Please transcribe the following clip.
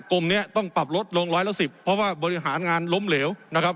กรมนี้ต้องปรับลดลงร้อยละสิบเพราะว่าบริหารงานล้มเหลวนะครับ